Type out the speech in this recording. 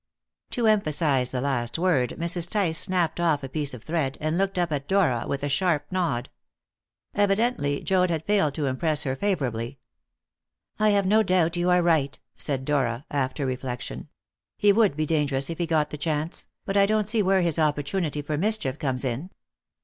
To emphasize the last word Mrs. Tice snapped off a piece of thread, and looked up at Dora with a sharp nod. Evidently Joad had failed to impress her favourably. "I have no doubt you are right," said Dora, after reflection. "He would be dangerous if he got the chance, but I don't see where his opportunity for mischief comes in."